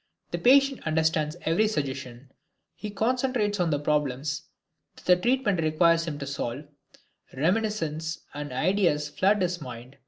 The patient understands every suggestion, he concentrates on the problems that the treatment requires him to solve, reminiscences and ideas flood his mind.